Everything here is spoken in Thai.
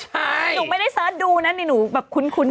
หนูไม่ได้เสิร์ชดูนะหนูแบบคุ้นชื่อ